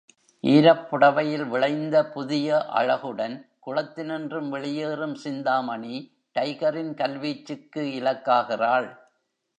ஈரப் புடவையில் விளைந்த புதிய அழகுடன் குளத்தினின்றும் வெளியேறும் சிந்தாமணி டைகரின் கல்வீச்சுக்கு இலக்காகிறாள்.